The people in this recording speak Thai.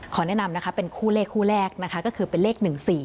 ขอแนะนำเป็นคู่เลขคู่แรกก็คือเป็นเลข๑๔